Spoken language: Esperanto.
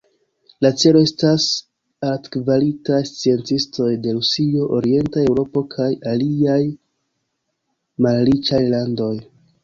La celo estas altkvalitaj sciencistoj de Rusio, orienta Eŭropo kaj aliaj malriĉaj landoj.